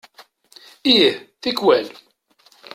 Ih, tikwal.